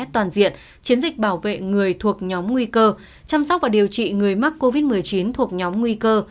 toàn diện chiến dịch bảo vệ người thuộc nhóm nguy cơ chăm sóc và điều trị người mắc covid một mươi chín thuộc nhóm nguy cơ